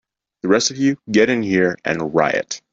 The rest of you get in here and riot!